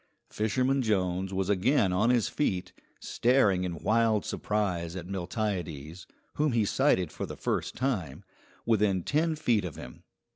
Fisherman Jones was again on his feet, staring in wild surprise at Miltiades, whom he sighted for the first time, within ten feet of him.